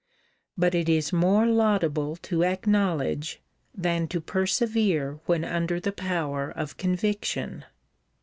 But it is more laudable to acknowledge, than to persevere when under the power of conviction.